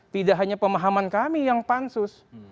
tidak hanya pemahaman kami yang pansus